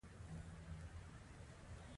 د پرسونل رہنمایي کول د ادارې دنده ده.